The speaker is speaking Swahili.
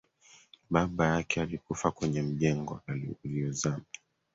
baba yake alikufa kwenye mjengo uliyozama